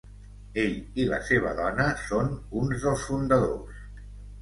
Ell i la seva dona són uns dels fundadors.